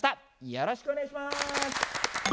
よろしくお願いします。